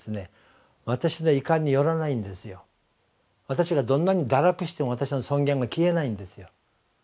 私がどんなに堕落しても私の尊厳は消えないんですよ。